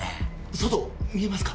外見えますか？